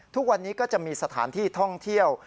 ทุกวันนี้ก็จะมีสถานที่ท่องเที่ยว